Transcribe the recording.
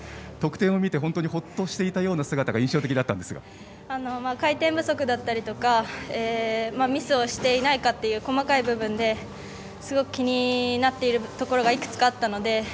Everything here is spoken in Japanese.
得点を見て、本当にほっとしていたような姿が回転不足だったりとかミスをしていないかという細かい部分ですごく気になっているところがいくつかあったので。